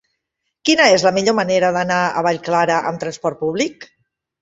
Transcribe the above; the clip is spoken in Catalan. Quina és la millor manera d'anar a Vallclara amb trasport públic?